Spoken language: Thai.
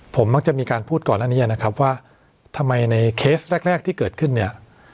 ผมมักจะมีการพูดก่อนหน้านี้นะครับว่าทำไมในเคสแรกแรกที่เกิดขึ้นเนี่ย